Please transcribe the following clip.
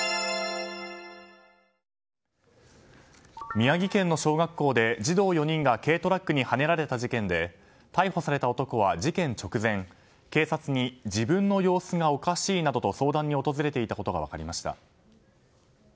宮城県の小学校で児童４人が軽トラックにはねられた事件で逮捕された男は事件直前警察に自分の様子がおかしいなどと相談に訪れていたことが分かりました。